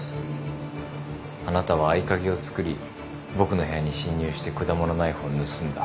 あなたは合鍵を作り僕の部屋に侵入して果物ナイフを盗んだ。